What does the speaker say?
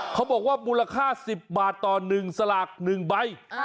เขาบอกว่ามูลค่า๑๐บาทต่อ๑สลาก๑ใบ